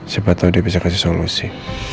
siapa tahu dia bisa kasih solusi